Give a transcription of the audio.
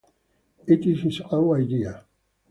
It is his own idea.